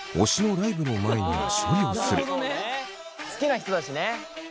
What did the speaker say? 好きな人たちね。